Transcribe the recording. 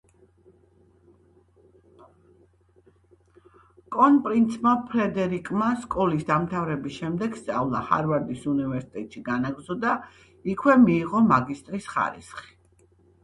კრონპრინცმა ფრედერიკმა, სკოლის დამთავრების შემდეგ სწავლა ჰარვარდის უნივერსიტეტში განაგრძო და იქვე მიიღო მაგისტრის ხარისხი.